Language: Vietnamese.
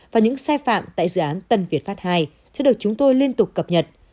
và những xe phạm tại dự án tân việt phát hai sẽ được chúng tôi liên tục cập nhật